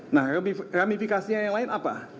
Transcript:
nah ramifikasinya yang lain apa